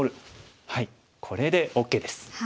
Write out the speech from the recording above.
これでＯＫです。